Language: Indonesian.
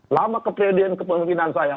lama keperhidinan keperhidinan saya